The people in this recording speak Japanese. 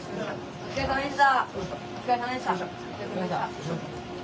お疲れさまでした！